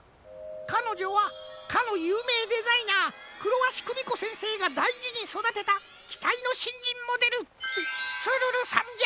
かのじょはかのゆうめいデザイナークロワシクミコせんせいがだいじにそだてたきたいのしんじんモデルツルルさんじゃ。